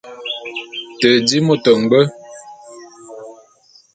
Te di môt ngbwe.